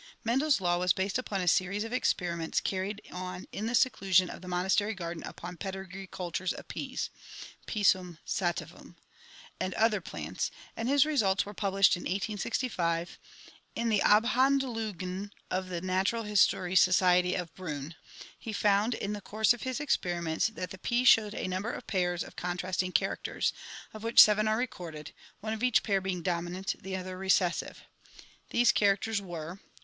Mendel's law was based upon a series of experiments carried on in the seclusion of the monastery garden upon pedigree cultures of peas (Pisum sativum) and other plants, and his results were pub lished in 1865 in the Abhandlungen of the Natural History Society of Briinn. He found in the course of his experiments that the peas showed a number of pairs of contrasting characters, of which seven are recorded, one of each pair being dominant, the other re cessive. These characters were: " 1.